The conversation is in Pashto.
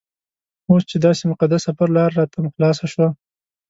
اوس چې داسې مقدس سفر لاره راته خلاصه شوه.